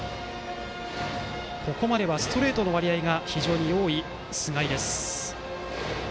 ここまではストレートの割合が非常に多い菅井です。